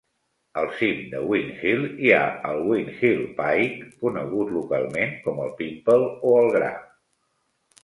Al cim de Win Hill hi ha el Win Hill Pike, conegut localment com el "pimple" o el "gra".